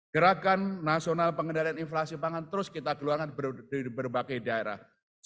gerakan nasional pengendalian inflasi pangan terus kita keluarkan di berbagai daerah